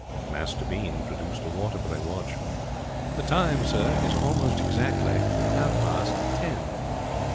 Master Bean produced a Waterbury watch. 'The time, sir, is almost exactly half past ten.'